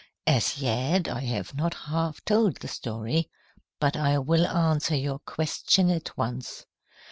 "As yet, I have not half told the story. But I will answer your question at once.